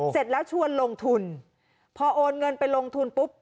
เสร็จแล้วชวนลงทุนพอโอนเงินไปลงทุนปุ๊บ